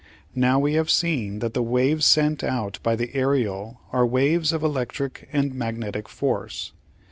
Now we have seen that the waves sent out by the aerial are waves of electric and magnetic force.